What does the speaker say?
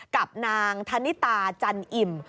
กับนางธนิตาจันอิ่ม